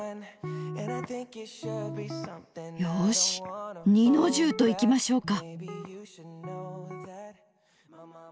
よし二の重といきましょうか。